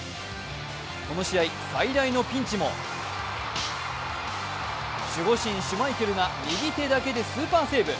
この試合、最大のピンチも守護神・シュマイケルが右手だけでスーパーセーブ。